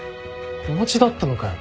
子持ちだったのかよ。